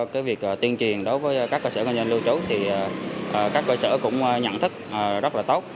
cái việc tuyên truyền đối với các cơ sở kinh doanh lưu trú thì các cơ sở cũng nhận thức rất là tốt